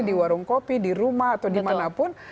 di warung kopi di rumah atau dimanapun